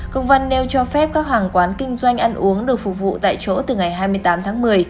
công văn nêu cho phép các hàng quán kinh doanh ăn uống được phục vụ tại chỗ từ ngày hai mươi tám tháng một mươi